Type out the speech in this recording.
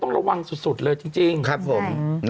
ระวังสุดเลยจริงครับผม